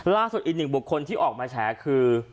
ล่าสุดอีกหนึ่งบุคคลที่ออกมาแฉคือ